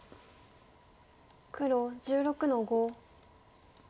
黒１６の五。